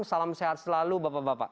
salam sehat selalu bapak bapak